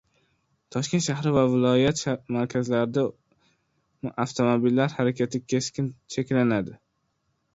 Toshkent shahri va viloyat markazlarida avtomobillar harakati keskin cheklanadi